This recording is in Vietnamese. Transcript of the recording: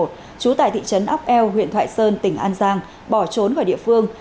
trú tại thị trấn ốc eo huyện thoại sơn tỉnh an giang bỏ trốn khỏi địa phương